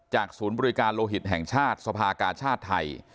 ศูนย์บริการโลหิตแห่งชาติสภากาชาติไทย